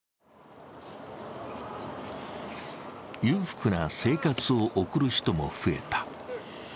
裕福な生活を送る人も増えた。